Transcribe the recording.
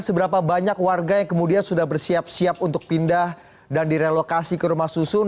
seberapa banyak warga yang kemudian sudah bersiap siap untuk pindah dan direlokasi ke rumah susun